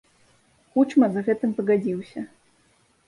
Кучма з гэтым пагадзіўся.